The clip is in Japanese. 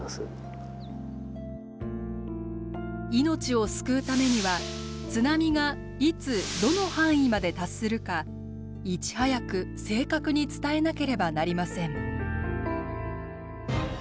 命を救うためには津波がいつ・どの範囲まで達するかいち早く正確に伝えなければなりません。